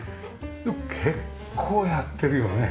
結構やってるよね。